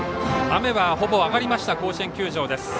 雨はほぼ上がりました甲子園球場です。